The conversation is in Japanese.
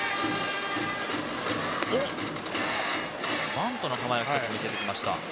バントの構えを見せてきました。